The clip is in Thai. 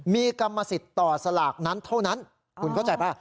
มีกรรมสิทธิ์ต่อสลากนั้นเท่านั้นคุณเข้าใจป่ะ